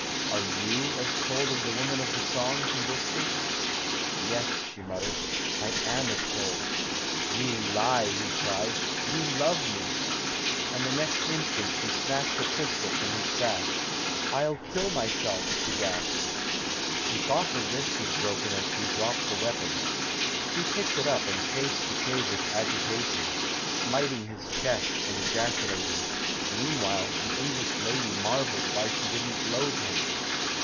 "Are you as cold as the woman of the song?" he whispered. "Yes," she muttered, "I am as cold." "You lie," he cried, "you love me!" And the next instant she snatched a pistol from his sash. "I'll kill myself!" she gasped. She thought her wrist was broken as she dropped the weapon. He picked it up and paced the cave with agitation, smiting his chest, and ejaculating. INIeanwhile, the English lady mar velled why she didn't loathe him.